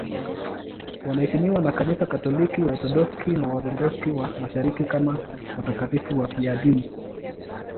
Wanaheshimiwa na Kanisa Katoliki, Waorthodoksi na Waorthodoksi wa Mashariki kama watakatifu wafiadini.